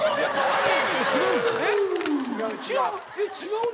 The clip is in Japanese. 違う？